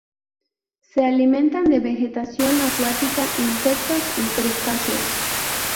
Se alimentan de vegetación acuática, insectos y crustáceos.